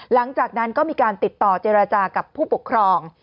หลังจากนั้นก็มีการติดต่อเจรจากับผู้ปกครอง